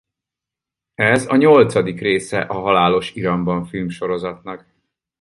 Ez a nyolcadik része a Halálos iramban filmsorozatnak.